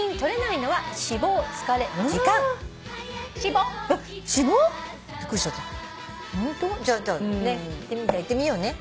いってみようね。